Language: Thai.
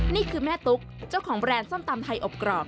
นี่คือแม่ตุ๊กเจ้าของแบรนด์ส้มตำไทยอบกรอบ